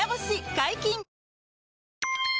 解禁‼